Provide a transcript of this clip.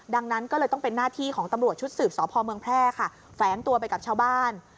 ดังนั้นก็เลยต้องเป็นหน้าที่ของตำรวจชุดสืบสพเมืองแพร่ค่ะแฝงตัวไปกับชาวบ้าน